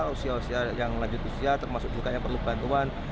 usia usia yang lanjut usia termasuk juga yang perlu bantuan